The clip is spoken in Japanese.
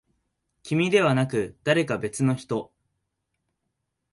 君ではなく、誰か別の人。